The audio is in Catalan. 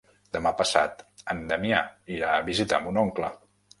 Demà passat en Damià irà a visitar mon oncle.